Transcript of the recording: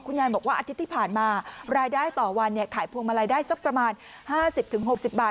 คุณยายบอกว่าอาทิตย์ที่ผ่านมารายได้ต่อวันเนี้ยขายพวกมาลายได้สักประมาณห้าสิบถึงหกสิบบาท